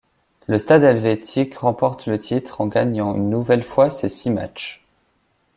Le Stade helvétique remporte le titre en gagnant une nouvelle fois ses six matchs.